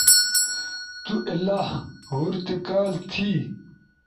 تو ایلا؟[ہور تی کال تھی]